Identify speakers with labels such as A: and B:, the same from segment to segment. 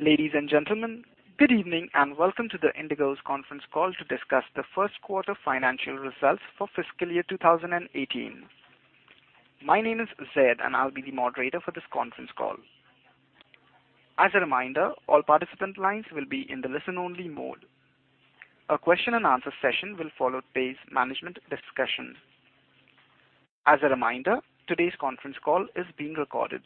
A: Ladies and gentlemen, good evening, and welcome to the IndiGo's conference call to discuss the first quarter financial results for fiscal year 2018. My name is Zed, and I'll be the moderator for this conference call. As a reminder, all participant lines will be in the listen-only mode. A question and answer session will follow today's management discussions. As a reminder, today's conference call is being recorded.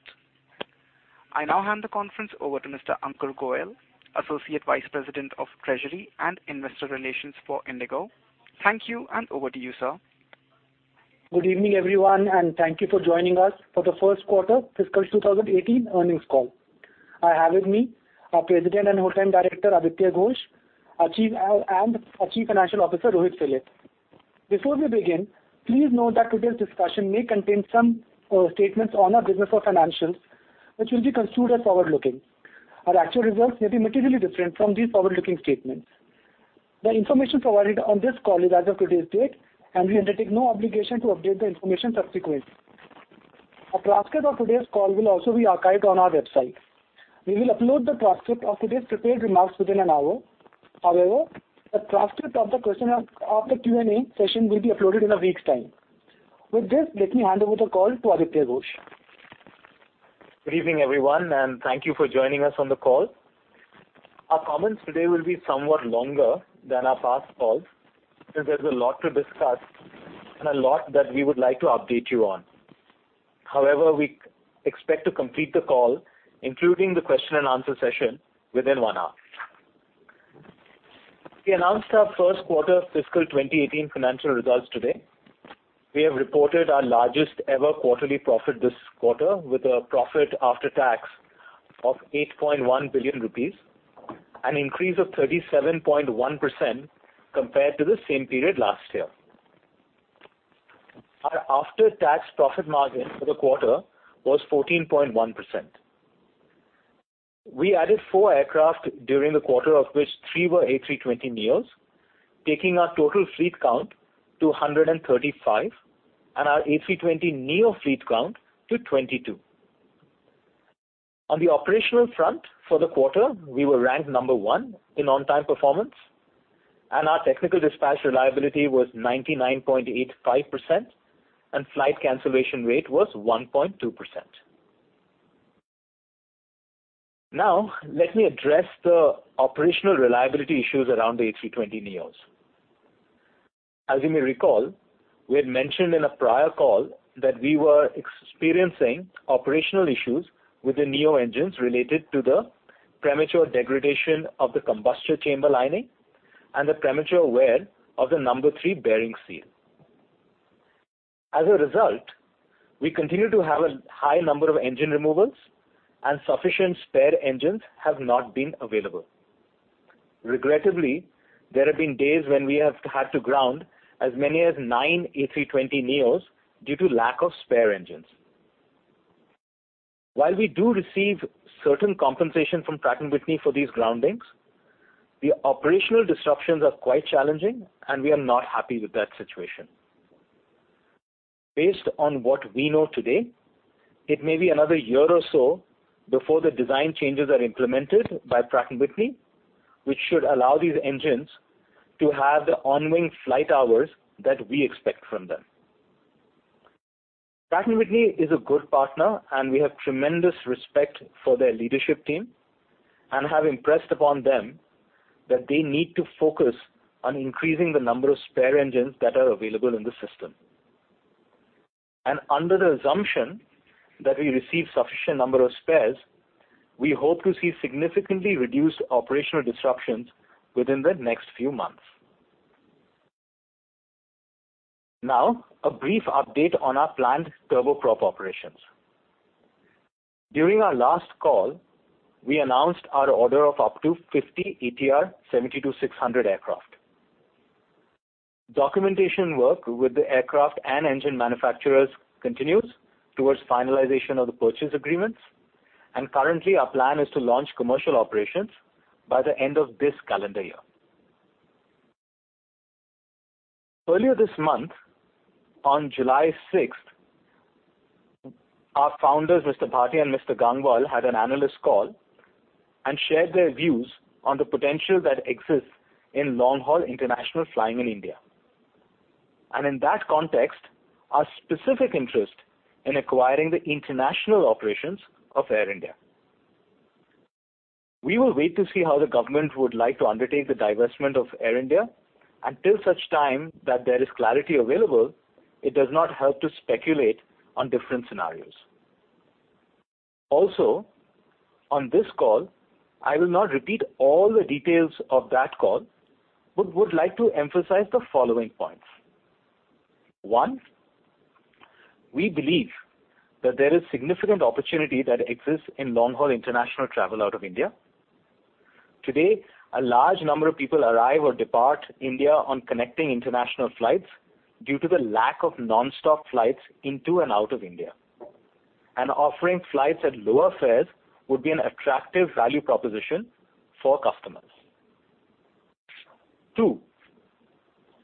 A: I now hand the conference over to Mr. Ankur Goel, Associate Vice President of Treasury and Investor Relations for IndiGo. Thank you, and over to you, sir.
B: Good evening, everyone, and thank you for joining us for the first quarter fiscal 2018 earnings call. I have with me our President and Whole Time Director, Aditya Ghosh, and our Chief Financial Officer, Rohit Philip. Before we begin, please note that today's discussion may contain some statements on our business or financials which will be considered forward-looking. Our actual results may be materially different from these forward-looking statements. The information provided on this call is as of today's date, and we undertake no obligation to update the information subsequently. A transcript of today's call will also be archived on our website. We will upload the transcript of today's prepared remarks within an hour. However, the transcript of the Q&A session will be uploaded in a week's time. With this, let me hand over the call to Aditya Ghosh.
C: Good evening, everyone, and thank you for joining us on the call. Our comments today will be somewhat longer than our past calls since there's a lot to discuss and a lot that we would like to update you on. However, we expect to complete the call, including the question and answer session, within one hour. We announced our first quarter fiscal 2018 financial results today. We have reported our largest ever quarterly profit this quarter with a profit after tax of 8.1 billion rupees, an increase of 37.1% compared to the same period last year. Our after-tax profit margin for the quarter was 14.1%. We added four aircraft during the quarter, of which three were A320neos, taking our total fleet count to 135 and our A320neo fleet count to 22. On the operational front for the quarter, we were ranked number 1 in on-time performance, and our technical dispatch reliability was 99.85%, and flight cancellation rate was 1.2%. Now let me address the operational reliability issues around the A320neos. As you may recall, we had mentioned in a prior call that we were experiencing operational issues with the neo engines related to the premature degradation of the combustor chamber lining and the premature wear of the number 3 bearing seal. As a result, we continue to have a high number of engine removals and sufficient spare engines have not been available. Regrettably, there have been days when we have had to ground as many as nine A320neos due to lack of spare engines. While we do receive certain compensation from Pratt & Whitney for these groundings, the operational disruptions are quite challenging and we are not happy with that situation. Based on what we know today, it may be another year or so before the design changes are implemented by Pratt & Whitney, which should allow these engines to have the ongoing flight hours that we expect from them. Pratt & Whitney is a good partner. We have tremendous respect for their leadership team and have impressed upon them that they need to focus on increasing the number of spare engines that are available in the system. Under the assumption that we receive sufficient number of spares, we hope to see significantly reduced operational disruptions within the next few months. Now a brief update on our planned turboprop operations. During our last call, we announced our order of up to 50 ATR 72-600 aircraft. Documentation work with the aircraft and engine manufacturers continues towards finalization of the purchase agreements. Currently our plan is to launch commercial operations by the end of this calendar year. Earlier this month, on July 6th, our founders, Rahul Bhatia and Rakesh Gangwal had an analyst call and shared their views on the potential that exists in long-haul international flying in India. In that context, our specific interest in acquiring the international operations of Air India. We will wait to see how the government would like to undertake the divestment of Air India, and till such time that there is clarity available, it does not help to speculate on different scenarios. On this call, I will not repeat all the details of that call, but would like to emphasize the following points. One, we believe that there is significant opportunity that exists in long-haul international travel out of India. Today, a large number of people arrive or depart India on connecting international flights due to the lack of non-stop flights into and out of India. Offering flights at lower fares would be an attractive value proposition for customers. Two,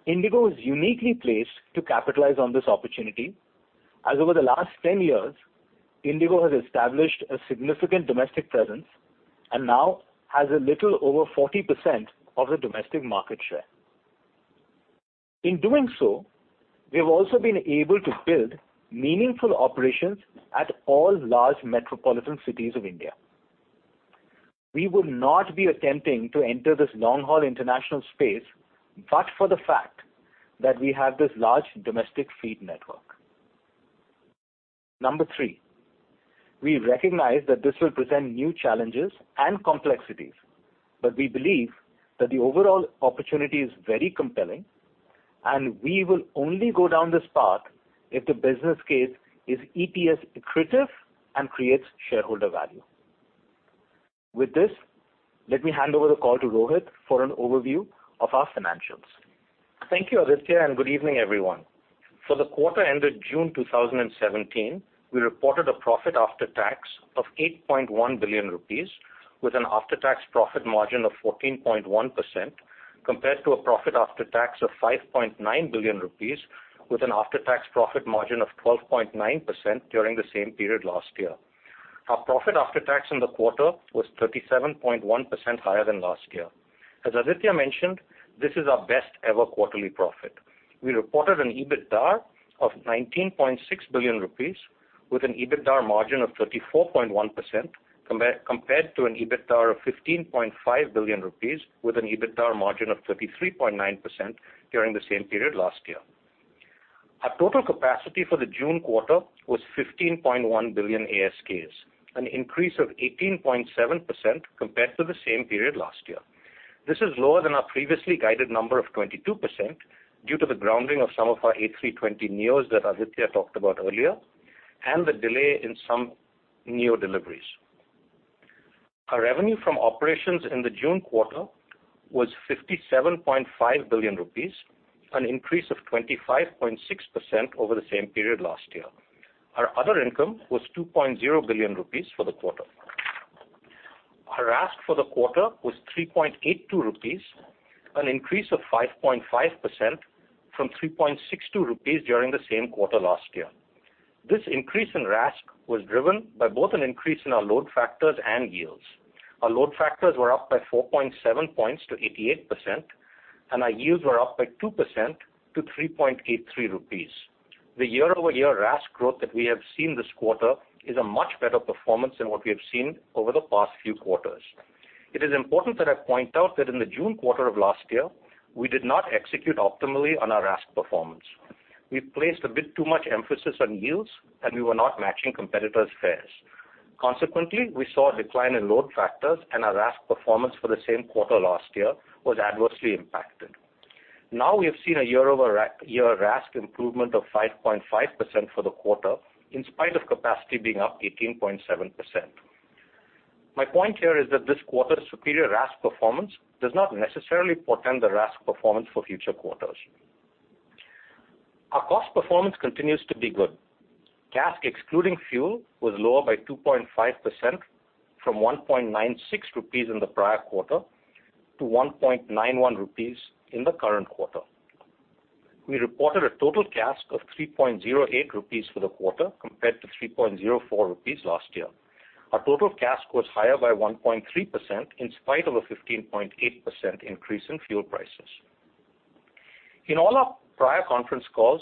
C: IndiGo is uniquely placed to capitalize on this opportunity, as over the last 10 years, IndiGo has established a significant domestic presence and now has a little over 40% of the domestic market share. In doing so, we have also been able to build meaningful operations at all large metropolitan cities of India. We would not be attempting to enter this long-haul international space but for the fact that we have this large domestic feed network. Number three, we recognize that this will present new challenges and complexities. We believe that the overall opportunity is very compelling. We will only go down this path if the business case is EPS accretive and creates shareholder value. With this, let me hand over the call to Rohit for an overview of our financials.
D: Thank you, Aditya, good evening, everyone. For the quarter ended June 2017, we reported a profit after tax of 8.1 billion rupees with an after-tax profit margin of 14.1%, compared to a profit after tax of 5.9 billion rupees with an after-tax profit margin of 12.9% during the same period last year. Our profit after tax in the quarter was 37.1% higher than last year. As Aditya mentioned, this is our best ever quarterly profit. We reported an EBITDA of 19.6 billion rupees with an EBITDA margin of 34.1%, compared to an EBITDA of 15.5 billion rupees with an EBITDA margin of 33.9% during the same period last year. Our total capacity for the June quarter was 15.1 billion ASKs, an increase of 18.7% compared to the same period last year. This is lower than our previously guided number of 22% due to the grounding of some of our A320neos that Aditya talked about earlier and the delay in some neo deliveries. Our revenue from operations in the June quarter was 57.5 billion rupees, an increase of 25.6% over the same period last year. Our other income was 2.0 billion rupees for the quarter. Our RASK for the quarter was 3.82 rupees, an increase of 5.5% from 3.62 rupees during the same quarter last year. This increase in RASK was driven by both an increase in our load factors and yields. Our load factors were up by 4.7 points to 88%, and our yields were up by 2% to 3.83 rupees. The year-over-year RASK growth that we have seen this quarter is a much better performance than what we have seen over the past few quarters. It is important that I point out that in the June quarter of last year, we did not execute optimally on our RASK performance. We placed a bit too much emphasis on yields, and we were not matching competitors' fares. Consequently, we saw a decline in load factors and our RASK performance for the same quarter last year was adversely impacted. Now we have seen a year-over-year RASK improvement of 5.5% for the quarter in spite of capacity being up 18.7%. My point here is that this quarter's superior RASK performance does not necessarily portend the RASK performance for future quarters. Our cost performance continues to be good. CASK excluding fuel was lower by 2.5%, from 1.96 rupees in the prior quarter to 1.91 rupees in the current quarter. We reported a total CASK of 3.08 rupees for the quarter, compared to 3.04 rupees last year. Our total CASK was higher by 1.3% in spite of a 15.8% increase in fuel prices. In all our prior conference calls,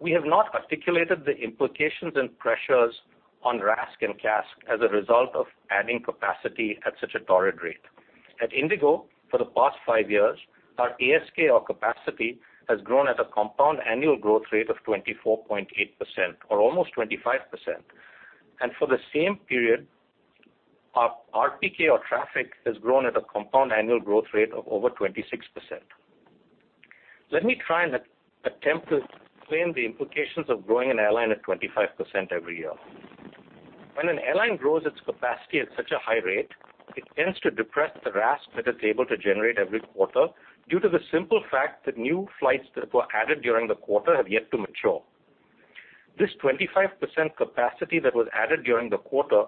D: we have not articulated the implications and pressures on RASK and CASK as a result of adding capacity at such a torrid rate. At IndiGo, for the past five years, our ASK or capacity has grown at a compound annual growth rate of 24.8%, or almost 25%. For the same period, our RPK or traffic has grown at a compound annual growth rate of over 26%. Let me try and attempt to explain the implications of growing an airline at 25% every year. When an airline grows its capacity at such a high rate, it tends to depress the RASK that it's able to generate every quarter due to the simple fact that new flights that were added during the quarter have yet to mature. This 25% capacity that was added during the quarter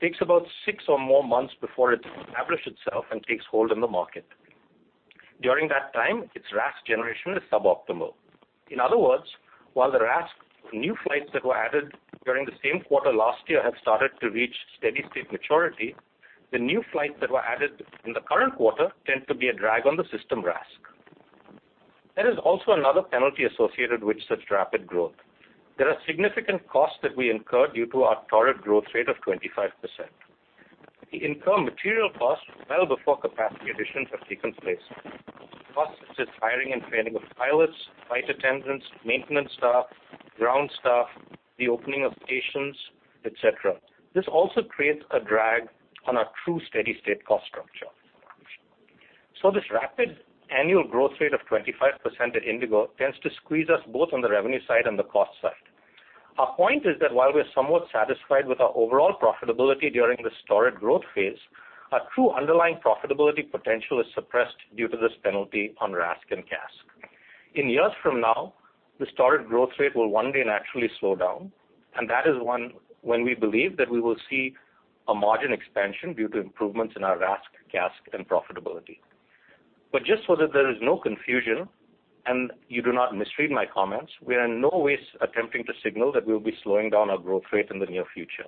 D: takes about 6 or more months before it establishes itself and takes hold in the market. During that time, its RASK generation is suboptimal. In other words, while the RASK for new flights that were added during the same quarter last year have started to reach steady state maturity, the new flights that were added in the current quarter tend to be a drag on the system RASK. There is also another penalty associated with such rapid growth. There are significant costs that we incur due to our torrid growth rate of 25%. We incur material costs well before capacity additions have taken place. Costs such as hiring and training of pilots, flight attendants, maintenance staff, ground staff, the opening of stations, et cetera. This also creates a drag on our true steady state cost structure. This rapid annual growth rate of 25% at IndiGo tends to squeeze us both on the revenue side and the cost side. Our point is that while we are somewhat satisfied with our overall profitability during this torrid growth phase, our true underlying profitability potential is suppressed due to this penalty on RASK and CASK. In years from now, the started growth rate will one day naturally slow down, and that is when we believe that we will see a margin expansion due to improvements in our RASK, CASK, and profitability. Just so that there is no confusion and you do not misread my comments, we are in no way attempting to signal that we will be slowing down our growth rate in the near future.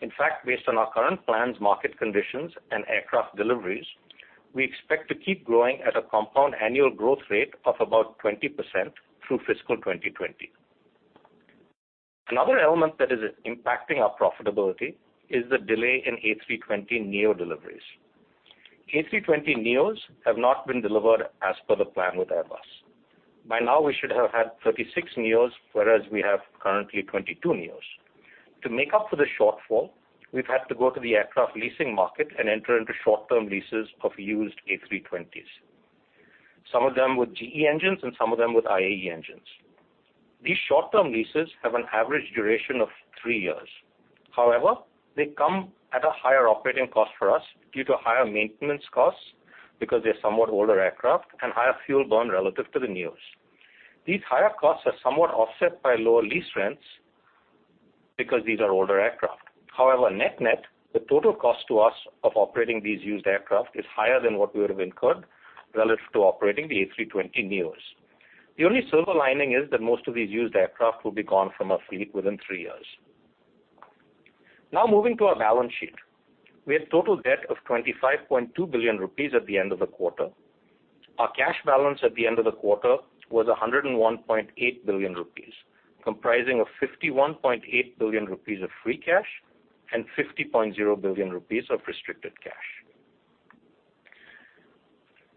D: In fact, based on our current plans, market conditions, and aircraft deliveries, we expect to keep growing at a compound annual growth rate of about 20% through fiscal 2020. Another element that is impacting our profitability is the delay in A320neo deliveries. A320neos have not been delivered as per the plan with Airbus. By now we should have had 36 neos, whereas we have currently 22 neos. To make up for the shortfall, we've had to go to the aircraft leasing market and enter into short-term leases of used A320s, some of them with GE engines and some of them with IAE engines. These short-term leases have an average duration of 3 years. However, they come at a higher operating cost for us due to higher maintenance costs because they're somewhat older aircraft and higher fuel burn relative to the neos. These higher costs are somewhat offset by lower lease rents because these are older aircraft. However, net net, the total cost to us of operating these used aircraft is higher than what we would have incurred relative to operating the A320neos. The only silver lining is that most of these used aircraft will be gone from our fleet within 3 years. Now moving to our balance sheet. We had total debt of ₹25.2 billion at the end of the quarter. Our cash balance at the end of the quarter was ₹101.8 billion, comprising of ₹51.8 billion of free cash and ₹50.0 billion of restricted cash.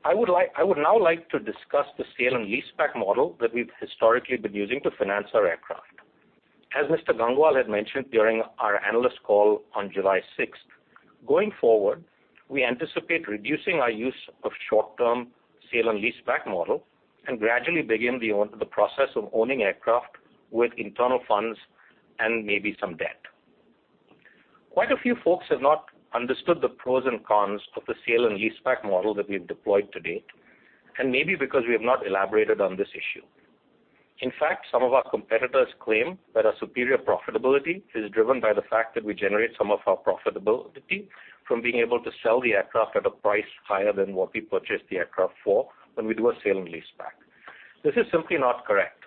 D: I would now like to discuss the sale and leaseback model that we've historically been using to finance our aircraft. As Mr. Gangwal had mentioned during our analyst call on July 6th, going forward, we anticipate reducing our use of short-term sale and leaseback model and gradually begin the process of owning aircraft with internal funds and maybe some debt. Quite a few folks have not understood the pros and cons of the sale and leaseback model that we've deployed to date, and maybe because we have not elaborated on this issue. In fact, some of our competitors claim that our superior profitability is driven by the fact that we generate some of our profitability from being able to sell the aircraft at a price higher than what we purchased the aircraft for when we do a sale and leaseback. This is simply not correct.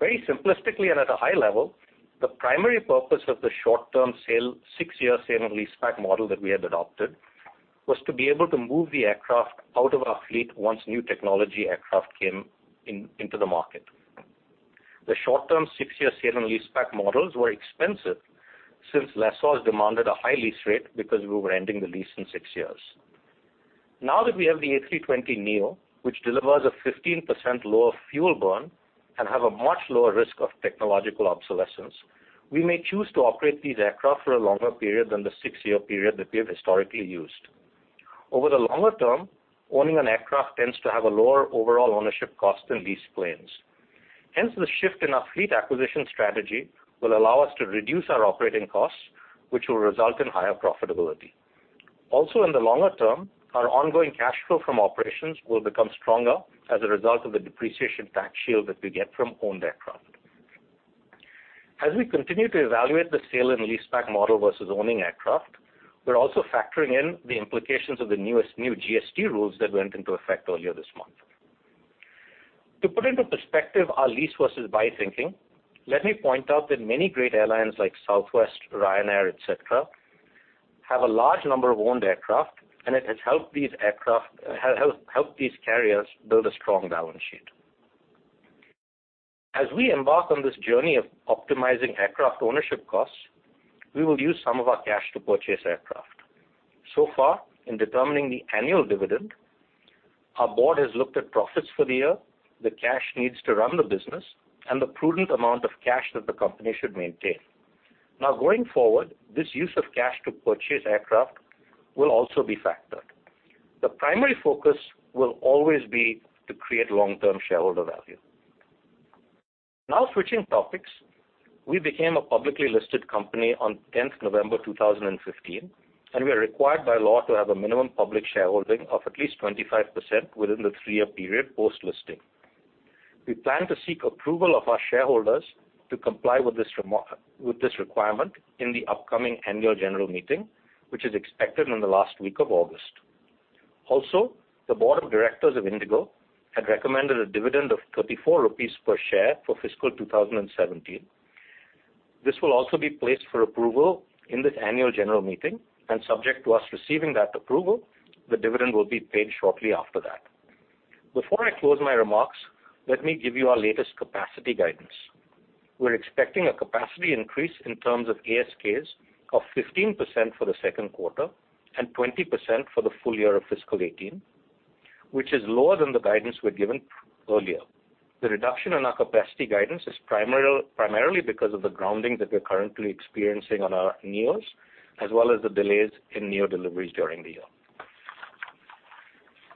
D: Very simplistically and at a high level, the primary purpose of the short-term six-year sale and leaseback model that we had adopted was to be able to move the aircraft out of our fleet once new technology aircraft came into the market. The short-term six-year sale and leaseback models were expensive since lessors demanded a high lease rate because we were ending the lease in six years. Now that we have the A320neo, which delivers a 15% lower fuel burn and have a much lower risk of technological obsolescence, we may choose to operate these aircraft for a longer period than the six-year period that we have historically used. Over the longer term, owning an aircraft tends to have a lower overall ownership cost than lease planes. The shift in our fleet acquisition strategy will allow us to reduce our operating costs, which will result in higher profitability. In the longer term, our ongoing cash flow from operations will become stronger as a result of the depreciation tax shield that we get from owned aircraft. As we continue to evaluate the sale and leaseback model versus owning aircraft, we're also factoring in the implications of the newest new GST rules that went into effect earlier this month. To put into perspective our lease versus buy thinking, let me point out that many great airlines like Southwest, Ryanair, et cetera, have a large number of owned aircraft, and it has helped these carriers build a strong balance sheet. As we embark on this journey of optimizing aircraft ownership costs, we will use some of our cash to purchase aircraft. Far, in determining the annual dividend, our board has looked at profits for the year, the cash needs to run the business, and the prudent amount of cash that the company should maintain. Going forward, this use of cash to purchase aircraft will also be factored. The primary focus will always be to create long-term shareholder value. Switching topics. We became a publicly listed company on 10th November 2015, and we are required by law to have a minimum public shareholding of at least 25% within the three-year period post-listing. We plan to seek approval of our shareholders to comply with this requirement in the upcoming annual general meeting, which is expected in the last week of August. The board of directors of IndiGo had recommended a dividend of 34 rupees per share for fiscal 2017. This will also be placed for approval in this annual general meeting, and subject to us receiving that approval, the dividend will be paid shortly after that. Before I close my remarks, let me give you our latest capacity guidance. We're expecting a capacity increase in terms of ASKs of 15% for the second quarter and 20% for the full year of fiscal 2018, which is lower than the guidance we'd given earlier. The reduction in our capacity guidance is primarily because of the grounding that we're currently experiencing on our neos, as well as the delays in neo deliveries during the year.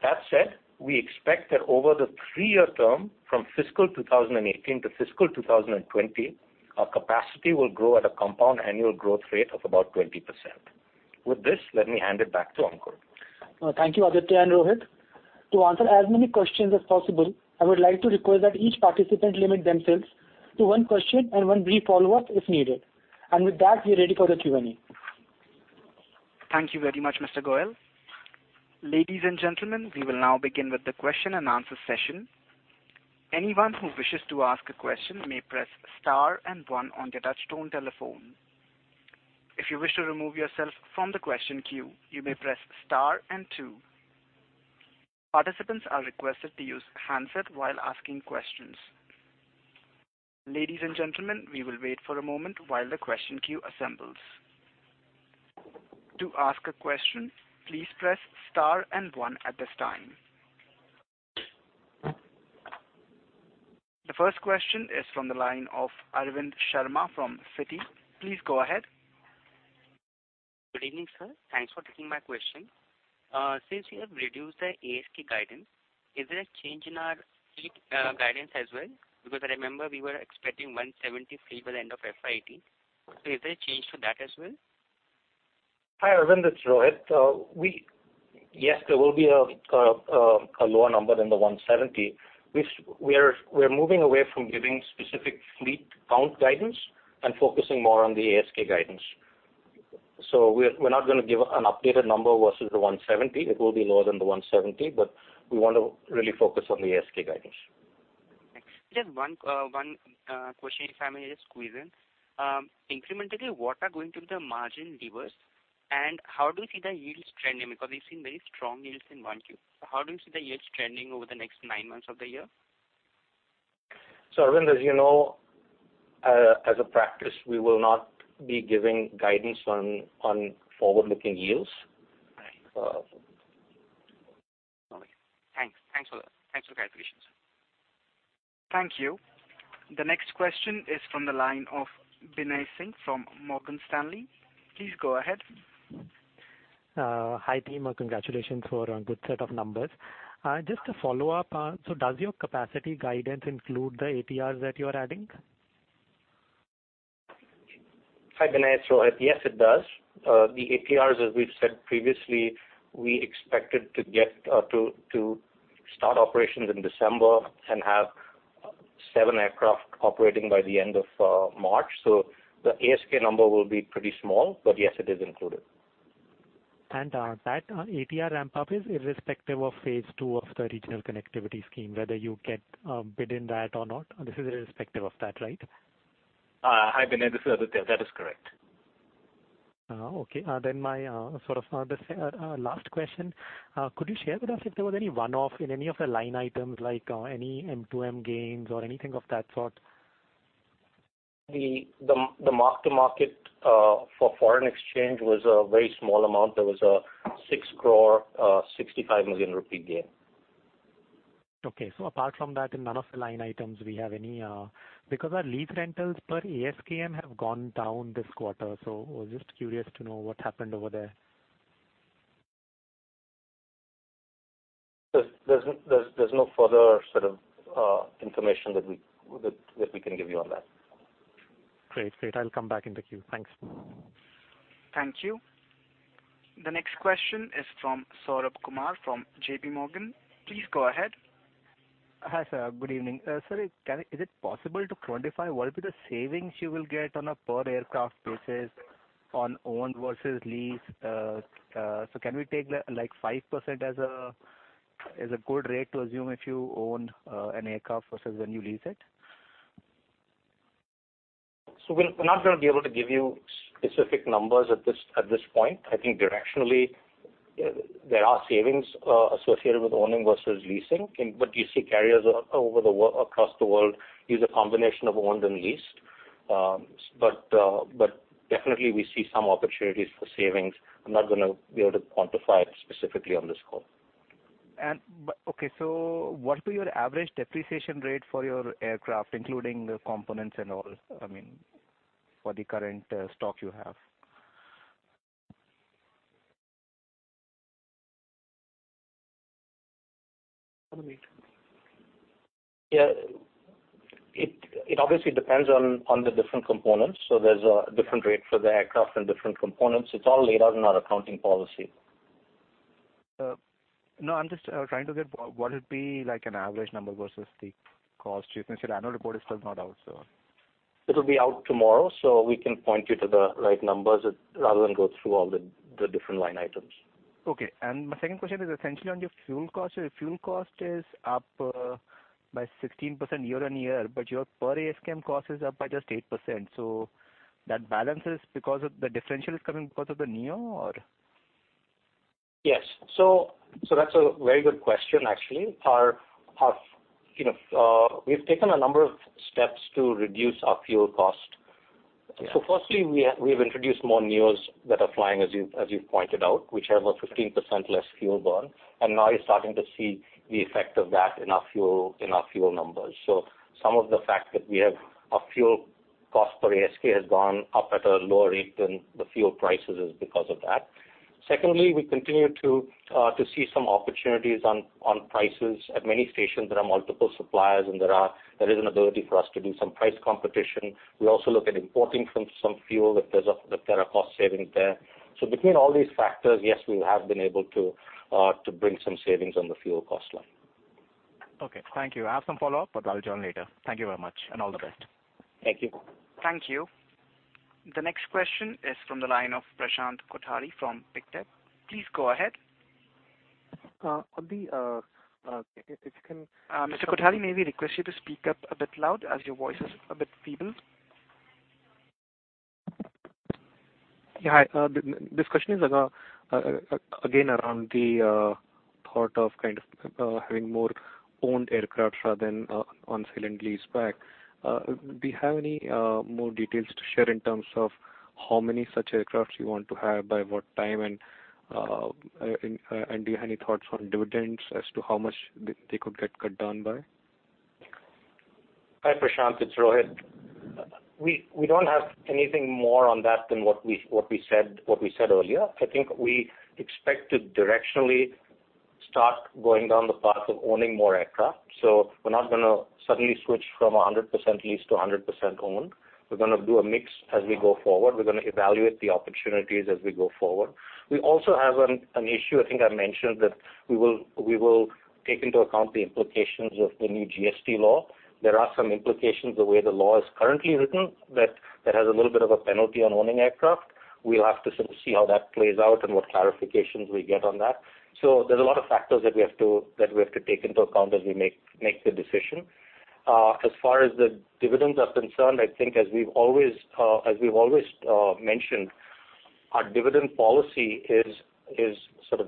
D: That said, we expect that over the 3-year term from fiscal 2018 to fiscal 2020, our capacity will grow at a compound annual growth rate of about 20%. With this, let me hand it back to Ankur.
B: Thank you, Aditya and Rohit. To answer as many questions as possible, I would like to request that each participant limit themselves to one question and one brief follow-up if needed. With that, we are ready for the Q&A.
A: Thank you very much, Mr. Goel. Ladies and gentlemen, we will now begin with the question and answer session. Anyone who wishes to ask a question may press star and one on their touch-tone telephone. If you wish to remove yourself from the question queue, you may press star and two. Participants are requested to use a handset while asking questions. Ladies and gentlemen, we will wait for a moment while the question queue assembles. To ask a question, please press star and one at this time. The first question is from the line of Arvind Sharma from Citi. Please go ahead.
E: Good evening, sir. Thanks for taking my question. Since you have reduced the ASK guidance, is there a change in our fleet guidance as well? Because I remember we were expecting 170 fleet by end of FY 2018. Is there a change to that as well?
D: Hi, Arvind, it's Rohit. Yes, there will be a lower number than the 170. We're moving away from giving specific fleet count guidance and focusing more on the ASK guidance. We're not going to give an updated number versus the 170. It will be lower than the 170, but we want to really focus on the ASK guidance.
E: Just one question, if I may just squeeze in. Incrementally, what are going to be the margin levers, and how do you see the yields trending? Because we've seen very strong yields in one Q. How do you see the yields trending over the next nine months of the year?
D: Arvind, as you know, as a practice, we will not be giving guidance on forward-looking yields.
E: Right. All right. Thanks for that. Thanks for the clarification, sir.
A: Thank you. The next question is from the line of Binay Singh from Morgan Stanley. Please go ahead.
F: Hi, team, congratulations for a good set of numbers. Just a follow-up. Does your capacity guidance include the ATRs that you are adding?
D: Hi, Binay. It's Rohit. Yes, it does. The ATRs, as we've said previously, we expected to start operations in December and have seven aircraft operating by the end of March. The ASK number will be pretty small, but yes, it is included.
F: That ATR ramp-up is irrespective of phase two of the regional connectivity scheme, whether you get bid in that or not, this is irrespective of that, right?
C: Hi, Binay. This is Aditya. That is correct.
F: Okay. My last question, could you share with us if there was any one-off in any of the line items, like any M2M gains or anything of that sort?
D: The mark to market for foreign exchange was a very small amount. There was a [6 crore 60 million rupee gain].
F: Okay. Apart from that, because our lease rentals per ASKM have gone down this quarter, so I was just curious to know what happened over there.
D: There's no further information that we can give you on that.
F: Great. I'll come back in the queue. Thanks.
A: Thank you. The next question is from Saurabh Kumar from J.P. Morgan. Please go ahead.
G: Hi, sir. Good evening. Sir, is it possible to quantify what will be the savings you will get on a per aircraft basis on owned versus lease? Can we take 5% as a good rate to assume if you own an aircraft versus when you lease it?
D: We're not going to be able to give you specific numbers at this point. I think directionally, there are savings associated with owning versus leasing. You see carriers across the world use a combination of owned and leased. Definitely we see some opportunities for savings. I'm not going to be able to quantify it specifically on this call.
G: Okay. What will be your average depreciation rate for your aircraft, including the components and all, for the current stock you have?
D: Yeah. It obviously depends on the different components. There's a different rate for the aircraft and different components. It's all laid out in our accounting policy.
G: No, I'm just trying to get what would be an average number versus the cost. Your annual report is still not out.
D: It'll be out tomorrow, we can point you to the right numbers rather than go through all the different line items.
G: Okay. My second question is essentially on your fuel cost. Your fuel cost is up by 16% year-on-year, but your per ASKM cost is up by just 8%. That balance is because the differential is coming because of the neo or?
D: Yes. That's a very good question, actually. We've taken a number of steps to reduce our fuel cost.
G: Yeah.
D: Firstly, we've introduced more neos that are flying, as you've pointed out, which have a 15% less fuel burn, and now you're starting to see the effect of that in our fuel numbers. Some of the fact that we have a fuel cost per ASK has gone up at a lower rate than the fuel prices is because of that. Secondly, we continue to see some opportunities on prices. At many stations, there are multiple suppliers, and there is an ability for us to do some price competition. We also look at importing some fuel if there are cost savings there. Between all these factors, yes, we have been able to bring some savings on the fuel cost line.
G: Okay, thank you. I have some follow-up, but I'll join later. Thank you very much, and all the best.
D: Thank you.
A: Thank you. The next question is from the line of Prashant Kothari from Pictet. Please go ahead.
H: If you can-
A: Mr. Kothari, may we request you to speak up a bit loud as your voice is a bit feeble?
H: Yeah. This question is again around the thought of having more owned aircraft rather than on sale and lease back. Do you have any more details to share in terms of how many such aircraft you want to have, by what time, and do you have any thoughts on dividends as to how much they could get cut down by?
D: Hi, Prashant. It's Rohit. We don't have anything more on that than what we said earlier. I think we expect to directionally start going down the path of owning more aircraft. We're not going to suddenly switch from 100% lease to 100% owned. We're going to do a mix as we go forward. We're going to evaluate the opportunities as we go forward. We also have an issue, I think I mentioned, that we will take into account the implications of the new GST law. There are some implications the way the law is currently written, that has a little bit of a penalty on owning aircraft. We'll have to see how that plays out and what clarifications we get on that. There's a lot of factors that we have to take into account as we make the decision. As far as the dividends are concerned, I think as we've always mentioned, our dividend policy is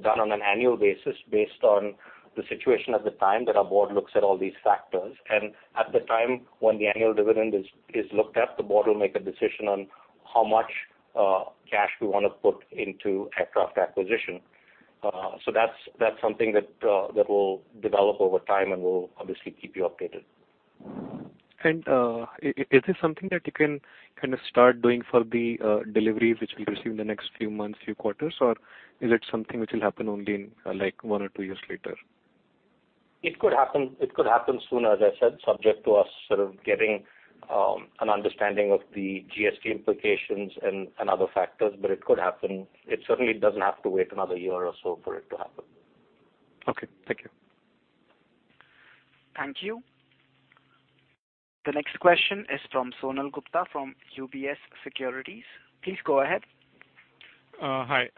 D: done on an annual basis based on the situation at the time that our board looks at all these factors. At the time when the annual dividend is looked at, the board will make a decision on how much cash we want to put into aircraft acquisition. That's something that will develop over time, and we'll obviously keep you updated.
H: Is this something that you can start doing for the deliveries which we receive in the next few months, few quarters, or is it something which will happen only in one or two years later?
D: It could happen soon, as I said, subject to us getting an understanding of the GST implications and other factors. It could happen. It certainly doesn't have to wait another year or so for it to happen.
H: Okay, thank you.
A: Thank you. The next question is from Sonal Gupta from UBS Securities. Please go ahead.
I: Hi.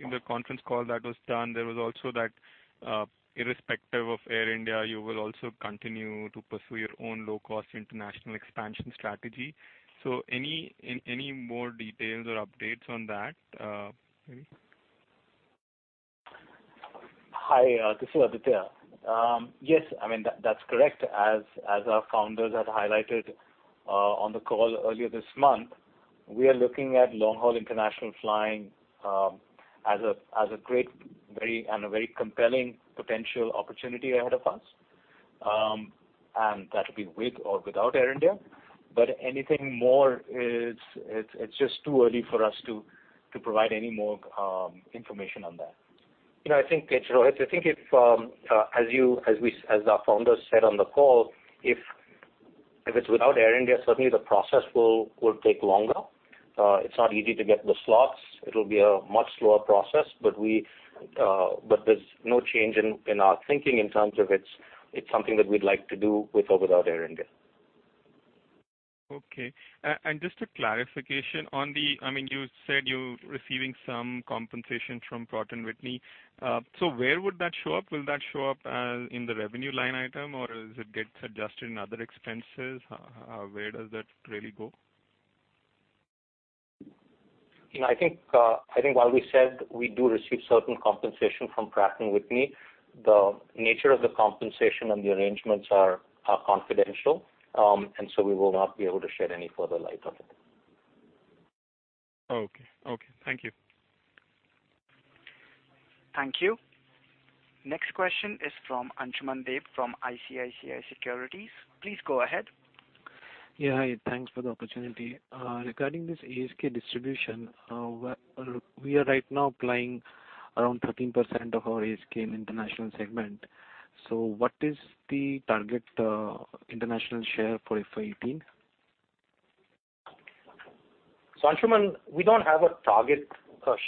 I: In the conference call that was done, there was also that irrespective of Air India, you will also continue to pursue your own low-cost international expansion strategy. Any more details or updates on that?
C: Hi, this is Aditya. Yes, that's correct. As our founders have highlighted on the call earlier this month, we are looking at long-haul international flying as a great and a very compelling potential opportunity ahead of us, and that could be with or without Air India. Anything more, it's just too early for us to provide any more information on that. I think, Rohit, as our founders said on the call, if it's without Air India, certainly the process will take longer. It's not easy to get the slots. It'll be a much slower process. There's no change in our thinking in terms of it's something that we'd like to do with or without Air India.
I: Okay. Just a clarification. You said you're receiving some compensation from Pratt & Whitney. Where would that show up? Will that show up in the revenue line item, or does it get adjusted in other expenses? Where does that really go?
D: I think while we said we do receive certain compensation from Pratt & Whitney, the nature of the compensation and the arrangements are confidential. We will not be able to shed any further light on it.
I: Okay. Thank you.
A: Thank you. Next question is from Ansuman Deb from ICICI Securities. Please go ahead.
J: Yeah. Thanks for the opportunity. Regarding this ASK distribution, we are right now applying around 13% of our ASK in international segment. What is the target international share for FY 2018?
D: Ansuman, we don't have a target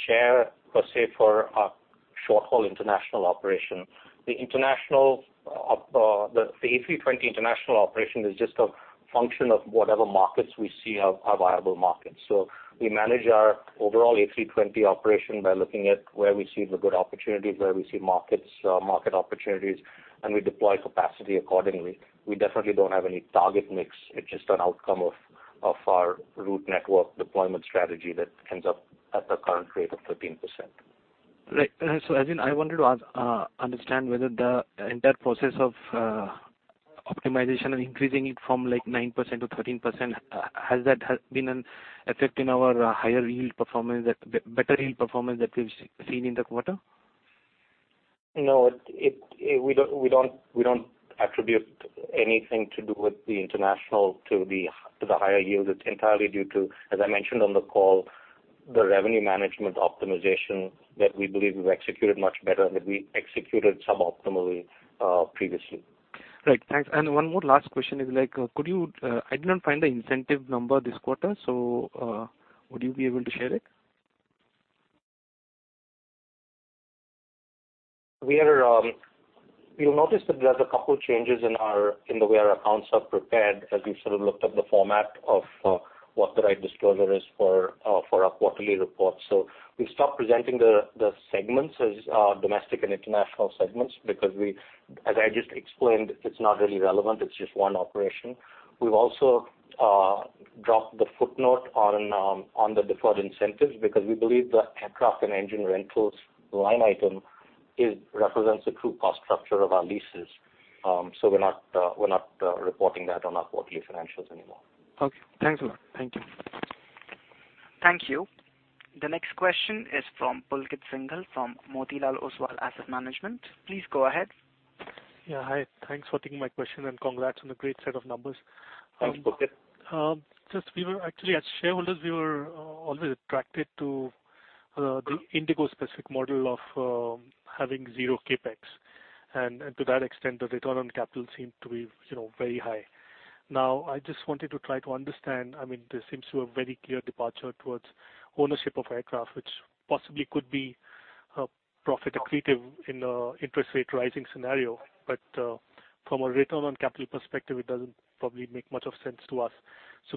D: share per se for our short-haul international operation. The A320 international operation is just a function of whatever markets we see are viable markets. We manage our overall A320 operation by looking at where we see the good opportunities, where we see market opportunities, and we deploy capacity accordingly. We definitely don't have any target mix. It's just an outcome of our route network deployment strategy that ends up at the current rate of 13%.
J: I wanted to understand whether in that process of optimization and increasing it from 9% to 13%, has that had been an effect in our higher yield performance, better yield performance that we've seen in the quarter?
D: No, we don't attribute anything to do with the international to the higher yield. It's entirely due to, as I mentioned on the call, the revenue management optimization that we believe we've executed much better than we executed sub-optimally previously.
J: Right. Thanks. One more last question is, I did not find the incentive number this quarter, would you be able to share it?
D: You'll notice that there's a couple changes in the way our accounts are prepared, as we sort of looked at the format of what the right disclosure is for our quarterly report. We stopped presenting the segments as domestic and international segments because, as I just explained, it's not really relevant. It's just one operation. We've also dropped the footnote on the deferred incentives because we believe the aircraft and engine rentals line item represents the true cost structure of our leases. We're not reporting that on our quarterly financials anymore.
J: Okay. Thanks a lot. Thank you.
A: Thank you. The next question is from Pulkit Singhal from Motilal Oswal Asset Management. Please go ahead.
K: Yeah. Hi. Thanks for taking my question, and congrats on the great set of numbers.
D: Thanks, Pulkit.
K: Actually, as shareholders, we were always attracted to the IndiGo specific model of having zero CapEx. To that extent, the return on capital seemed to be very high. Now, I just wanted to try to understand, this seems to a very clear departure towards ownership of aircraft, which possibly could be profit accretive in an interest rate rising scenario. From a return on capital perspective, it doesn't probably make much of sense to us.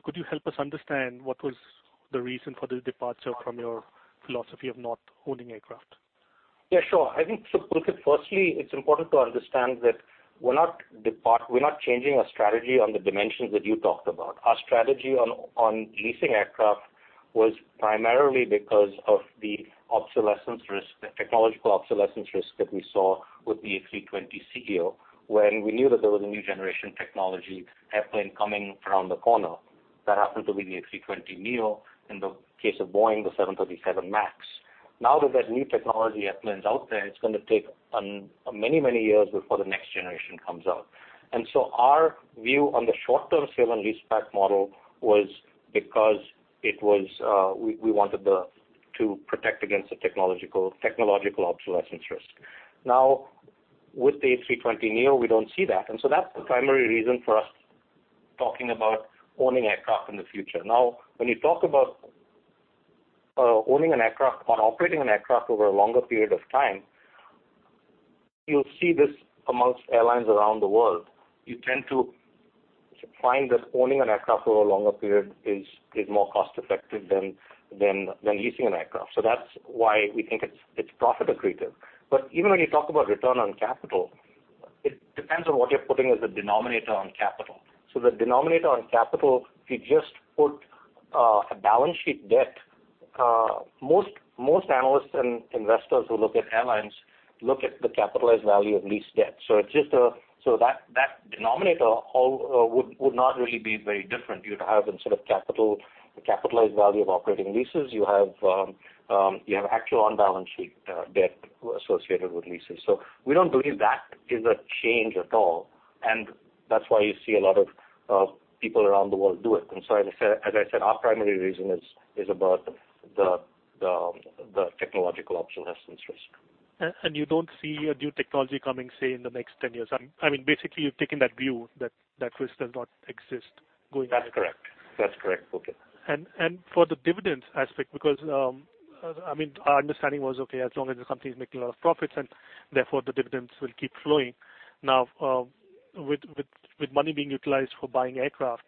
K: Could you help us understand what was the reason for the departure from your philosophy of not owning aircraft?
D: Yeah, sure. I think so, Pulkit, firstly, it's important to understand that we're not changing our strategy on the dimensions that you talked about. Our strategy on leasing aircraft was primarily because of the technological obsolescence risk that we saw with the A320ceo when we knew that there was a new generation technology airplane coming around the corner. That happened to be the A320neo. In the case of Boeing, the 737 MAX. Now that there's new technology airplanes out there, it's going to take many, many years before the next generation comes out. Our view on the short-term sale and lease back model was because we wanted to protect against the technological obsolescence risk. Now, with the A320neo, we don't see that. That's the primary reason for us talking about owning aircraft in the future. Now, when you talk about owning an aircraft or operating an aircraft over a longer period of time, you'll see this amongst airlines around the world. You tend to find that owning an aircraft over a longer period is more cost-effective than leasing an aircraft. That's why we think it's profit accretive. Even when you talk about return on capital, it depends on what you're putting as the denominator on capital. The denominator on capital, if you just put a balance sheet debt, most analysts and investors who look at airlines look at the capitalized value of lease debt. That denominator would not really be very different. You'd have instead of capital, the capitalized value of operating leases, you have actual on-balance sheet debt associated with leases. We don't believe that is a change at all, and that's why you see a lot of people around the world do it. As I said, our primary reason is about the technological obsolescence risk.
K: You don't see a new technology coming, say, in the next 10 years? Basically, you've taken that view that that risk does not exist going ahead.
D: That's correct, Pulkit.
K: For the dividends aspect, because our understanding was, okay, as long as the company is making a lot of profits and therefore the dividends will keep flowing. Now, with money being utilized for buying aircraft,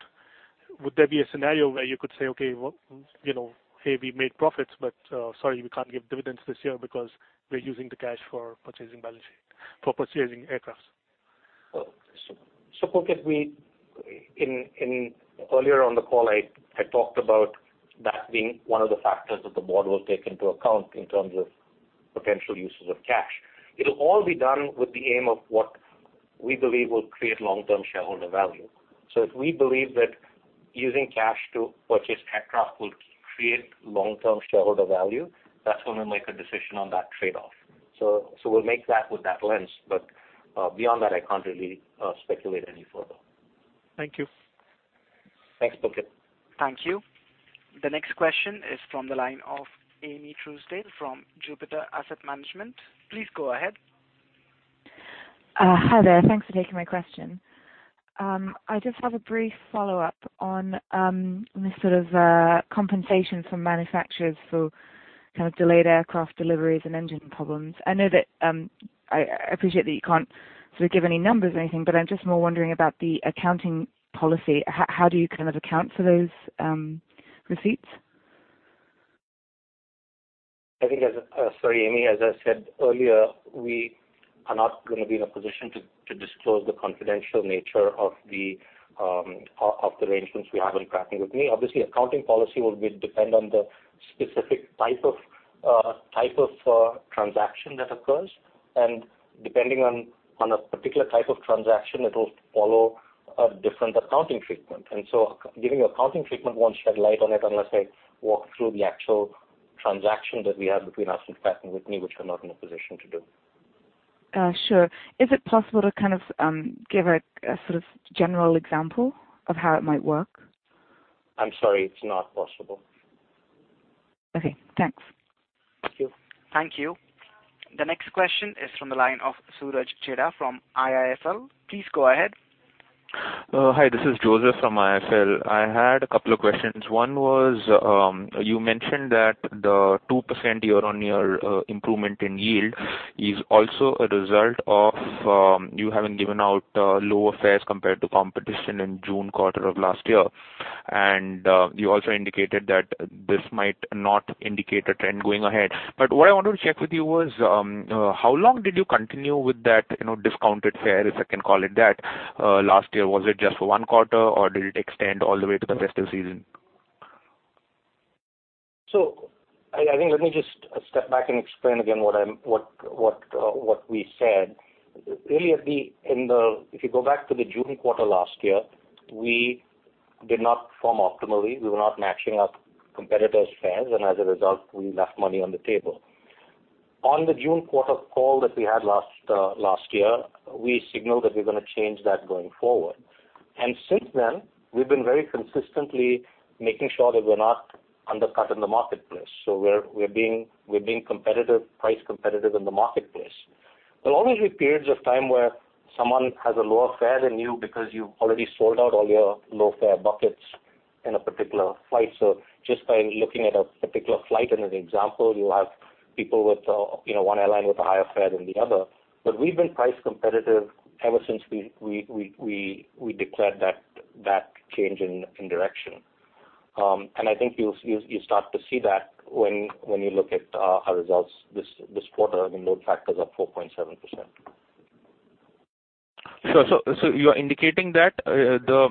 K: would there be a scenario where you could say, "Okay, hey, we made profits, but sorry, we can't give dividends this year because we're using the cash for purchasing aircrafts?
D: Pulkit, earlier on the call, I talked about that being one of the factors that the board will take into account in terms of potential uses of cash. It'll all be done with the aim of what we believe will create long-term shareholder value. If we believe that using cash to purchase aircraft will create long-term shareholder value, that's when we'll make a decision on that trade-off. We'll make that with that lens, but beyond that, I can't really speculate any further.
K: Thank you.
D: Thanks, Pulkit.
A: Thank you. The next question is from the line of Aimee Truesdale from Jupiter Asset Management. Please go ahead.
L: Hi there. Thanks for taking my question. I just have a brief follow-up on this sort of compensation from manufacturers for kind of delayed aircraft deliveries and engine problems. I appreciate that you can't sort of give any numbers or anything, but I'm just more wondering about the accounting policy. How do you kind of account for those receipts?
D: Sorry, Aimee, as I said earlier, we are not going to be in a position to disclose the confidential nature of the arrangements we have with Pratt & Whitney. Obviously, accounting policy will depend on the specific type of transaction that occurs, depending on a particular type of transaction, it will follow a different accounting treatment. Giving you accounting treatment won't shed light on it unless I walk through the actual transaction that we have between us and Pratt & Whitney, which we're not in a position to do.
L: Sure. Is it possible to kind of give a sort of general example of how it might work?
D: I'm sorry, it's not possible.
L: Okay, thanks.
A: Thank you. The next question is from the line of Suraj Chheda from IIFL. Please go ahead.
M: Hi, this is Joseph from IIFL. I had a couple of questions. One was, you mentioned that the 2% year-on-year improvement in yield is also a result of you having given out lower fares compared to competition in June quarter of last year. You also indicated that this might not indicate a trend going ahead. What I wanted to check with you was, how long did you continue with that discounted fare, if I can call it that, last year? Was it just for one quarter, or did it extend all the way to the festive season?
D: I think let me just step back and explain again what we said. If you go back to the June quarter last year, we did not perform optimally. We were not matching up competitors' fares, and as a result, we left money on the table. On the June quarter call that we had last year, we signaled that we're going to change that going forward. Since then, we've been very consistently making sure that we're not undercut in the marketplace. We're being price competitive in the marketplace. There'll always be periods of time where someone has a lower fare than you because you've already sold out all your low-fare buckets in a particular flight. Just by looking at a particular flight as an example, you have people with one airline with a higher fare than the other. We've been price competitive ever since we declared that change in direction. I think you'll start to see that when you look at our results this quarter, the load factors are 4.7%.
M: You are indicating that the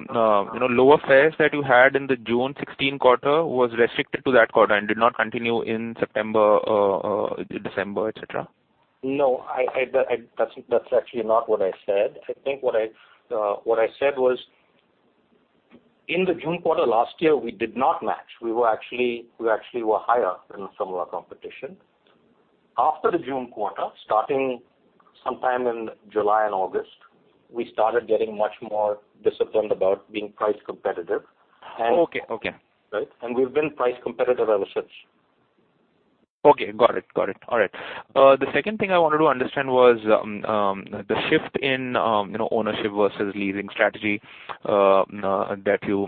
M: lower fares that you had in the June 2016 quarter was restricted to that quarter and did not continue in September or December, et cetera?
D: That's actually not what I said. I think what I said was, in the June quarter last year, we did not match. We actually were higher than some of our competition. After the June quarter, starting sometime in July and August, we started getting much more disciplined about being price competitive.
M: Okay.
D: Right. We've been price competitive ever since.
M: Okay, got it. All right. The second thing I wanted to understand was the shift in ownership versus leasing strategy that you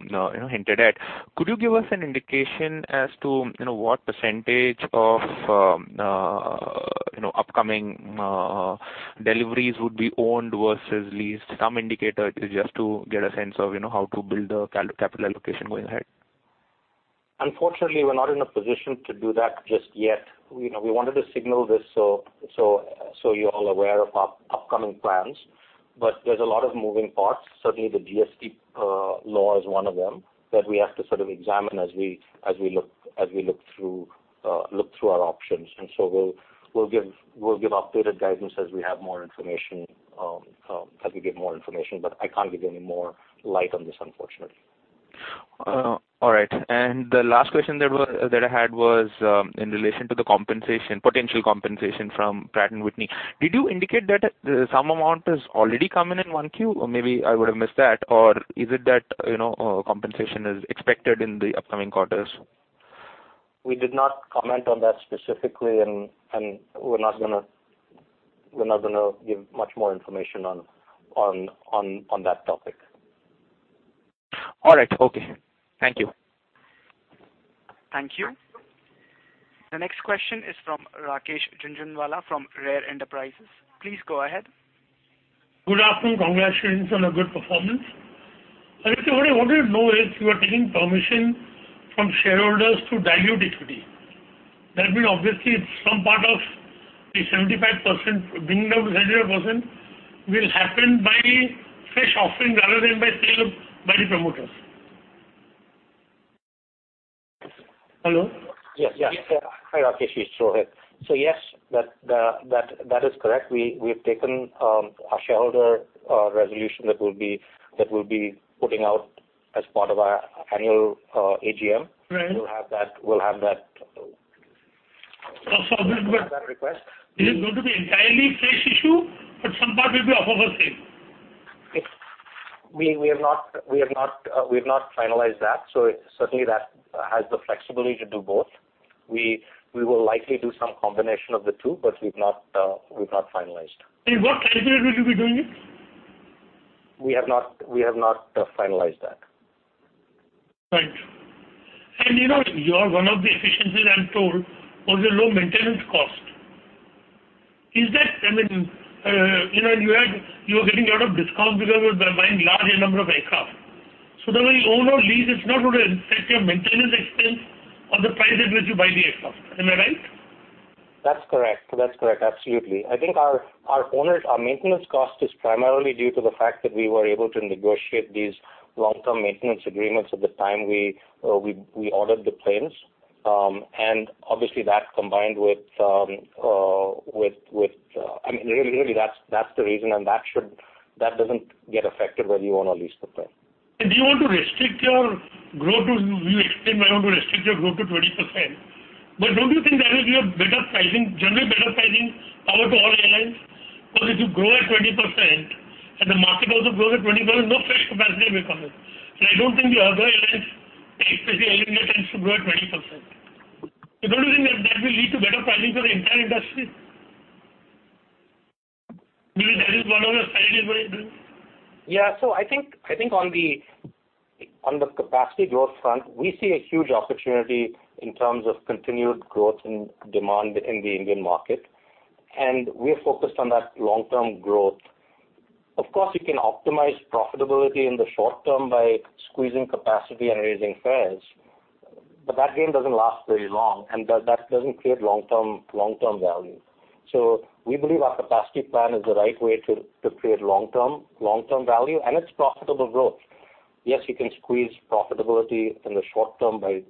M: hinted at. Could you give us an indication as to what percentage of upcoming deliveries would be owned versus leased? Some indicator, just to get a sense of how to build the capital allocation going ahead.
D: Unfortunately, we're not in a position to do that just yet. We wanted to signal this so you're all aware of our upcoming plans. There's a lot of moving parts. Certainly, the GST law is one of them that we have to examine as we look through our options. We'll give updated guidance as we get more information, but I can't give any more light on this, unfortunately.
M: All right. The last question that I had was in relation to the potential compensation from Pratt & Whitney. Did you indicate that some amount is already coming in 1Q, or maybe I would have missed that? Is it that compensation is expected in the upcoming quarters?
D: We did not comment on that specifically, and we're not going to give much more information on that topic.
M: All right. Okay. Thank you.
A: Thank you. The next question is from Rakesh Jhunjhunwala from Rare Enterprises. Please go ahead.
N: Good afternoon. Congratulations on a good performance. I want to know if you are taking permission from shareholders to dilute equity. That means obviously some part of the 75% bringing down to 100% will happen by fresh offering rather than by sale by the promoters. Hello?
D: Yes. Hi, Rakesh, it's Rohit. Yes, that is correct. We have taken a shareholder resolution that we'll be putting out as part of our annual AGM.
N: Right.
D: We'll have that request.
N: This is going to be entirely fresh issue, but some part will be offer for sale.
D: We have not finalized that, certainly that has the flexibility to do both. We will likely do some combination of the two, but we've not finalized.
N: In what quarter will you be doing it?
D: We have not finalized that.
N: Right. One of the efficiencies I'm told was the low maintenance cost. You were getting a lot of discount because you were buying larger number of aircraft. The way own or lease is not going to affect your maintenance expense or the prices which you buy the aircraft. Am I right?
D: That's correct. Absolutely. I think our maintenance cost is primarily due to the fact that we were able to negotiate these long-term maintenance agreements at the time we ordered the planes. Obviously, really that's the reason, and that doesn't get affected whether you own or lease the plane.
N: Do you want to restrict your growth? You explained you want to restrict your growth to 20%. Don't you think that will give better pricing generally? If you grow at 20% and the market also grows at 20%, no fresh capacity will come in. I don't think the other airlines, especially airline that tends to grow at 20%. Don't you think that will lead to better pricing for the entire industry? Maybe that is one of the strategies, maybe?
D: Yeah. I think on the capacity growth front, we see a huge opportunity in terms of continued growth and demand in the Indian market, and we are focused on that long-term growth. Of course, you can optimize profitability in the short term by squeezing capacity and raising fares. That game doesn't last very long, and that doesn't create long-term value. We believe our capacity plan is the right way to create long-term value, and it's profitable growth. Yes, you can squeeze profitability in the short term by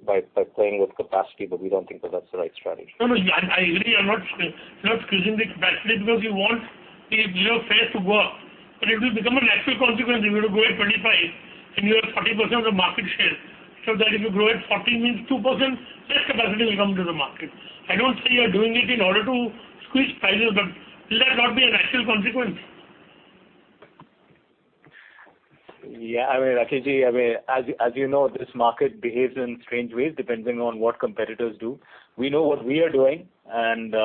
D: playing with capacity, but we don't think that's the right strategy.
N: No, I agree. You're not squeezing the capacity because you want your fares to go up, but it will become a natural consequence. If you were to grow at 25% and you have 40% of the market share, so that [if you grow at 14% means slower], less capacity will come to the market. I don't say you're doing it in order to squeeze prices, but will that not be a natural consequence?
D: Yeah. I mean, Rakesh ji, as you know, this market behaves in strange ways depending on what competitors do. We know what we are doing, and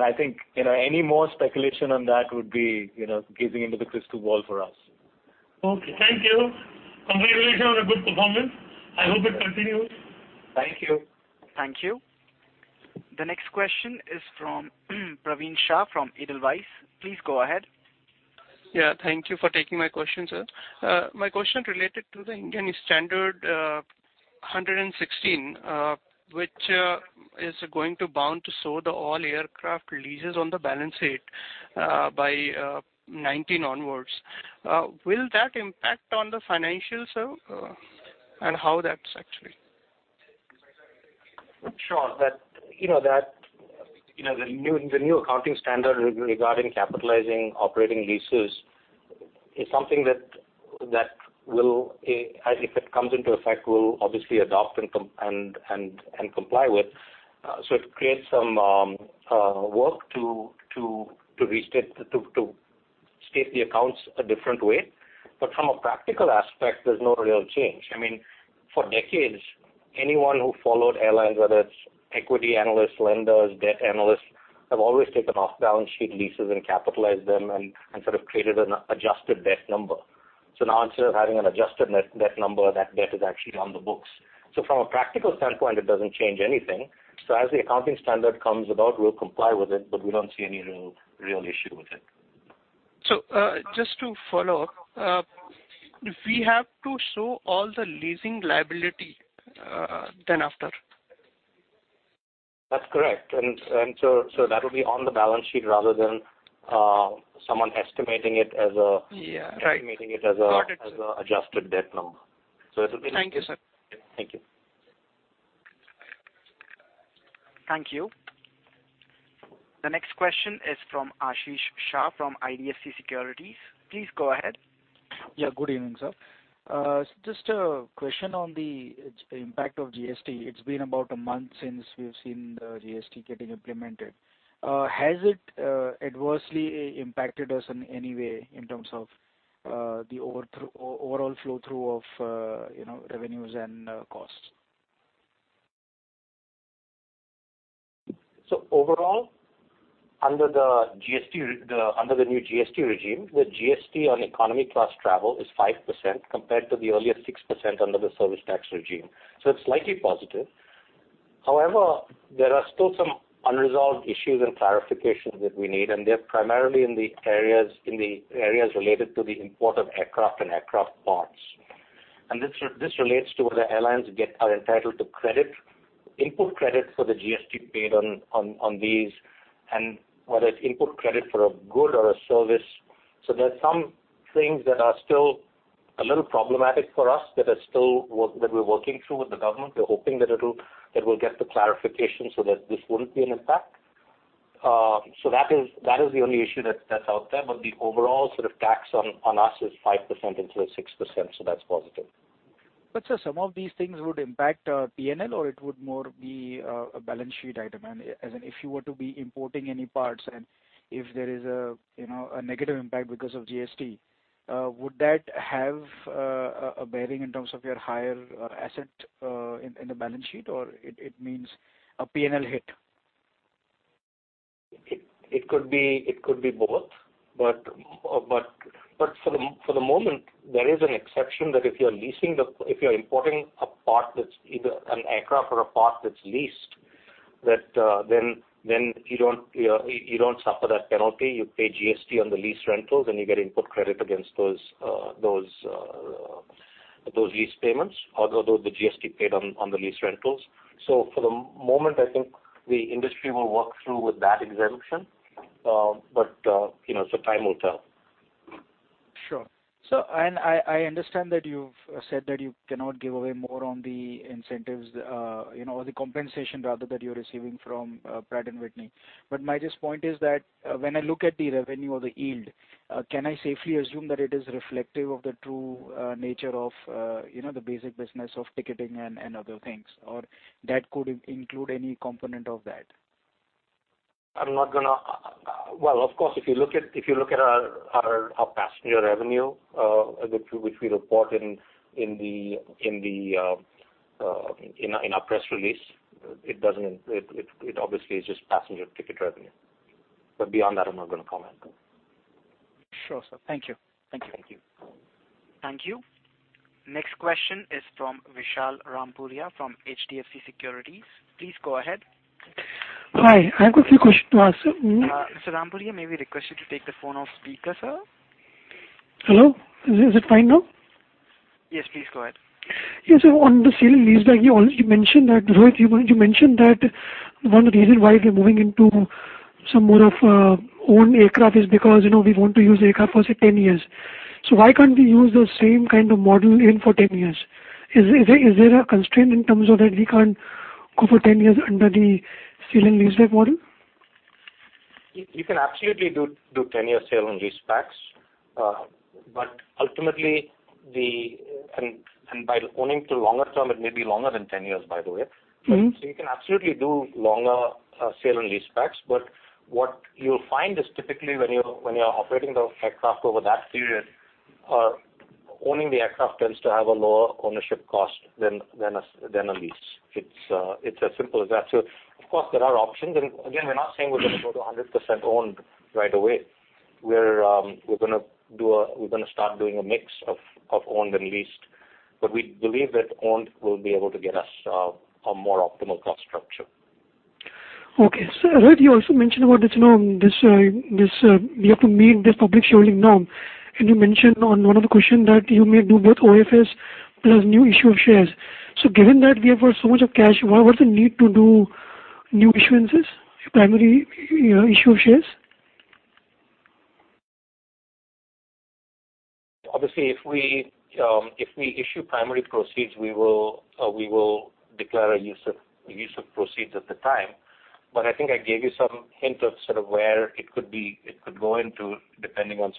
D: I think any more speculation on that would be gazing into the crystal ball for us.
N: Okay. Thank you. Congratulations on a good performance. I hope it continues.
D: Thank you.
A: Thank you. The next question is from Praveen Shah from Edelweiss. Please go ahead.
O: Yeah. Thank you for taking my question, sir. My question related to the Ind AS 116, which is going to bound to show the all aircraft leases on the balance sheet by 2019 onwards. Will that impact on the financials, sir? How that's actually?
D: Sure. The new accounting standard regarding capitalizing operating leases is something that if it comes into effect, we'll obviously adopt and comply with. It creates some work to state the accounts a different way. From a practical aspect, there's no real change. For decades, anyone who followed airlines, whether it's equity analysts, lenders, debt analysts, have always taken off-balance sheet leases and capitalized them and sort of created an adjusted debt number. Now, instead of having an adjusted net debt number, that debt is actually on the books. From a practical standpoint, it doesn't change anything. As the accounting standard comes about, we'll comply with it, but we don't see any real issue with it.
O: Just to follow up, if we have to show all the leasing liability, then after?
D: That's correct. That will be on the balance sheet rather than someone estimating it as.
O: Yeah. Right. Got it.
D: estimating it as a adjusted debt number. it will be.
O: Thank you, sir.
D: Thank you.
A: Thank you. The next question is from Ashish Shah from IDFC Securities. Please go ahead.
P: Yeah, good evening, sir. Just a question on the impact of GST. It's been about a month since we've seen the GST getting implemented. Has it adversely impacted us in any way in terms of the overall flow-through of revenues and costs?
D: Overall, under the new GST regime, the GST on economy class travel is 5% compared to the earlier 6% under the service tax regime. It's slightly positive. However, there are still some unresolved issues and clarifications that we need, and they're primarily in the areas related to the import of aircraft and aircraft parts. This relates to whether airlines are entitled to input credit for the GST paid on these and whether it's input credit for a good or a service. There are some things that are still a little problematic for us that we're working through with the government. We're hoping that we'll get the clarification so that this wouldn't be an impact. That is the only issue that's out there. The overall sort of tax on us is 5% instead of 6%, so that's positive.
P: Sir, some of these things would impact P&L, or it would more be a balance sheet item? As in, if you were to be importing any parts and if there is a negative impact because of GST, would that have a bearing in terms of your higher asset in the balance sheet, or it means a P&L hit?
D: It could be both. For the moment, there is an exception that if you're importing a part that's either an aircraft or a part that's leased, that then you don't suffer that penalty. You pay GST on the lease rentals, and you get input credit against those lease payments or the GST paid on the lease rentals. For the moment, I think the industry will work through with that exemption. Time will tell.
P: Sure. Sir, I understand that you've said that you cannot give away more on the incentives or the compensation rather that you're receiving from Pratt & Whitney. My just point is that when I look at the revenue or the yield, can I safely assume that it is reflective of the true nature of the basic business of ticketing and other things? Or that could include any component of that?
D: Well, of course, if you look at our passenger revenue, which we report in our press release, it obviously is just passenger ticket revenue. Beyond that, I'm not going to comment.
P: Sure, sir. Thank you.
D: Thank you.
A: Thank you. Next question is from Vishal Rampuria from HDFC Securities. Please go ahead.
Q: Hi. I have a few questions to ask, sir.
A: Mr. Rampuria, may we request you to take the phone off speaker, sir?
Q: Hello? Is it fine now?
A: Yes. Please go ahead.
Q: Yes, on the sale and leaseback, Rohit, you mentioned that one reason why we're moving into some more of owned aircraft is because we want to use aircraft for, say, 10 years. Why can't we use the same kind of model in for 10 years? Is there a constraint in terms of that we can't go for 10 years under the sale and leaseback model?
D: You can absolutely do 10-year sale and leasebacks. By owning to longer term, it may be longer than 10 years, by the way. You can absolutely do longer sale and leasebacks, but what you'll find is typically when you're operating the aircraft over that period, owning the aircraft tends to have a lower ownership cost than a lease. It's as simple as that. Of course, there are options. Again, we're not saying we're going to go to 100% owned right away. We're going to start doing a mix of owned and leased. We believe that owned will be able to get us a more optimal cost structure.
Q: Okay. Sir, Rohit, you also mentioned about this norm, you have to meet this public sharing norm. You mentioned on one of the question that you may do both OFS plus new issue of shares. Given that we have so much of cash, what's the need to do new issuances, primary issue of shares?
D: Obviously, if we issue primary proceeds, we will declare a use of proceeds at the time. I think I gave you some hint of where it could go into, depending on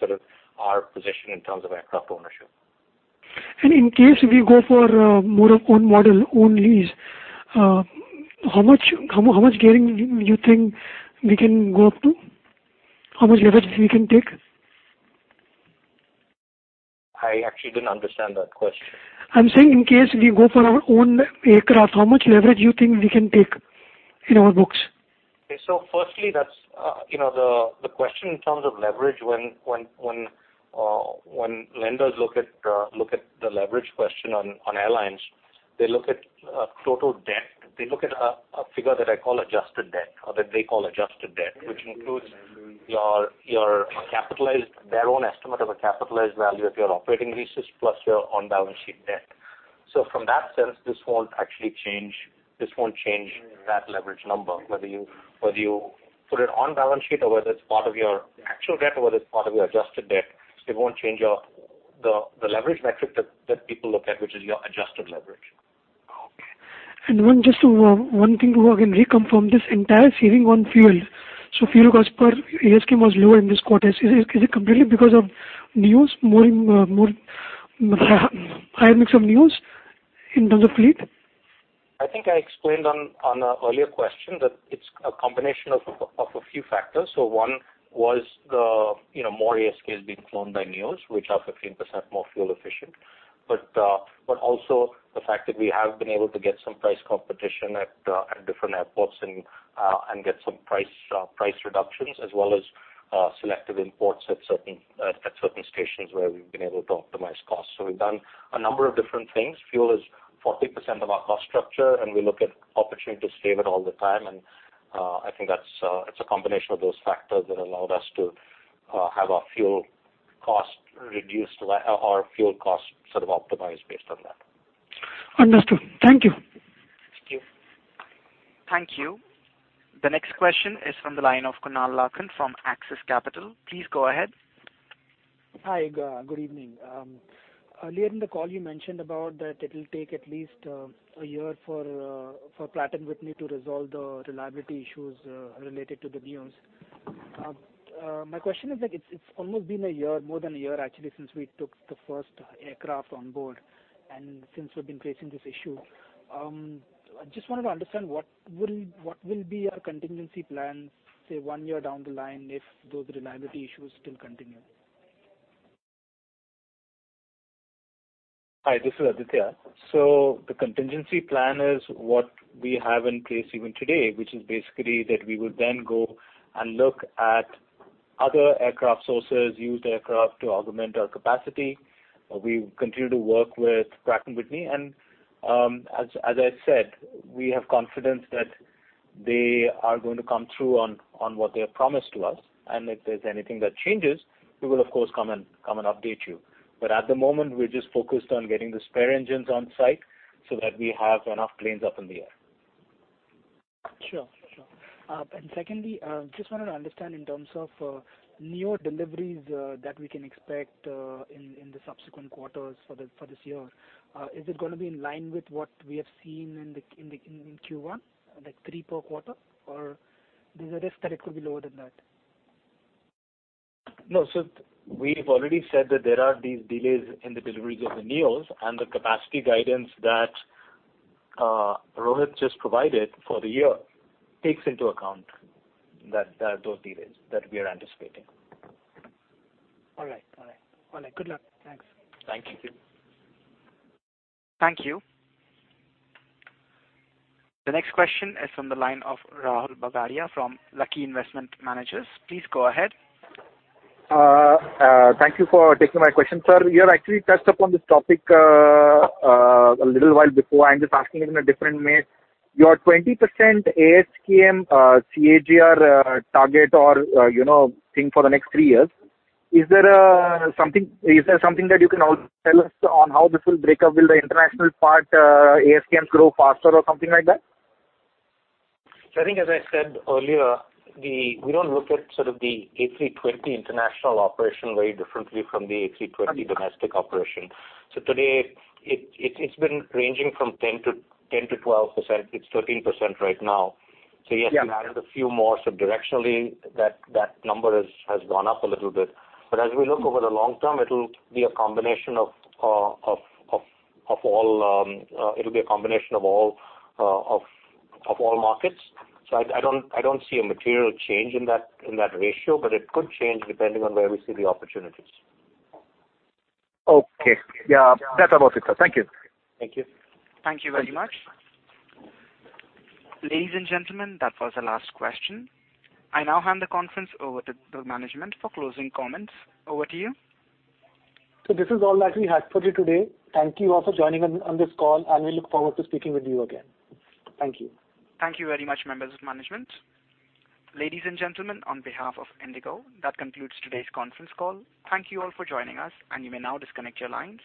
D: our position in terms of aircraft ownership.
Q: In case we go for more of own model, own lease, how much gearing do you think we can go up to? How much leverage we can take?
D: I actually didn't understand that question.
Q: I'm saying in case we go for our own aircraft, how much leverage you think we can take in our books?
D: Okay. Firstly, the question in terms of leverage, when lenders look at the leverage question on airlines, they look at total debt. They look at a figure that I call adjusted debt, or that they call adjusted debt, which includes their own estimate of a capitalized value of your operating leases plus your on-balance-sheet debt. From that sense, this won't change that leverage number, whether you put it on balance sheet or whether it's part of your actual debt or whether it's part of your adjusted debt. It won't change the leverage metric that people look at, which is your adjusted leverage.
Q: Okay. One thing, Rohit, reconfirm this entire saving on fuel. Fuel cost per ASK was lower in this quarter. Is it completely because of Neos, higher mix of Neos in terms of fleet?
D: I think I explained on a earlier question that it's a combination of a few factors. One was the more ASKs being flown by Neos, which are 15% more fuel efficient. Also the fact that we have been able to get some price competition at different airports and get some price reductions as well as selective imports at certain stations where we've been able to optimize costs. We've done a number of different things. Fuel is 40% of our cost structure, and we look at opportunities to save it all the time. I think that it's a combination of those factors that allowed us to have our fuel cost optimized based on that.
Q: Understood. Thank you.
D: Thank you.
A: Thank you. The next question is from the line of Kunal Lakhan from Axis Capital. Please go ahead.
R: Hi. Good evening. Earlier in the call, you mentioned about that it will take at least a year for Pratt & Whitney to resolve the reliability issues related to the Neos. My question is, it's almost been a year, more than a year actually, since we took the first aircraft on board and since we've been facing this issue. I just wanted to understand what will be your contingency plan, say, one year down the line if those reliability issues still continue?
C: Hi, this is Aditya. The contingency plan is what we have in place even today, which is basically that we would then go and look at other aircraft sources, used aircraft to augment our capacity. We continue to work with Pratt & Whitney, and, as I said, we have confidence that they are going to come through on what they have promised to us. If there's anything that changes, we will of course come and update you. At the moment, we're just focused on getting the spare engines on-site so that we have enough planes up in the air.
R: Sure. Secondly, just wanted to understand in terms of neo deliveries that we can expect in the subsequent quarters for this year. Is it going to be in line with what we have seen in Q1, like three per quarter, or there's a risk that it could be lower than that?
C: No. We've already said that there are these delays in the deliveries of the neos and the capacity guidance that Rohit just provided for the year takes into account those delays that we are anticipating.
R: All right. Good luck. Thanks.
C: Thank you.
A: Thank you. The next question is from the line of Rahul Bagaria from Lucky Investment Managers. Please go ahead.
S: Thank you for taking my question. Sir, you have actually touched upon this topic a little while before. I'm just asking it in a different way. Your 20% ASKM CAGR target or thing for the next three years, is there something that you can tell us on how this will break up? Will the international part ASKM grow faster or something like that?
D: I think as I said earlier, we don't look at the A320 international operation very differently from the A320 domestic operation. Today, it's been ranging from 10% to 12%. It's 13% right now. Yes, we added a few more. Directionally, that number has gone up a little bit. As we look over the long term, it'll be a combination of all markets. I don't see a material change in that ratio, but it could change depending on where we see the opportunities.
S: Okay. Yeah. That's about it, sir. Thank you.
D: Thank you.
A: Thank you very much. Ladies and gentlemen, that was the last question. I now hand the conference over to the management for closing comments. Over to you.
D: This is all that we had for you today. Thank you all for joining on this call, and we look forward to speaking with you again. Thank you.
A: Thank you very much, members of management. Ladies and gentlemen, on behalf of IndiGo, that concludes today's conference call. Thank you all for joining us, and you may now disconnect your lines.